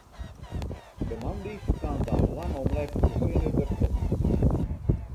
De moandeis kaam dan lang om let de sinne dertroch.